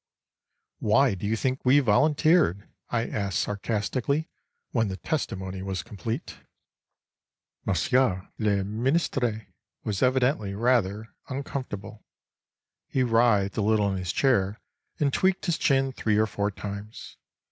"Why do you think we volunteered?" I asked sarcastically, when the testimony was complete. Monsieur le Ministre was evidently rather uncomfortable. He writhed a little in his chair, and tweaked his chin three or four times.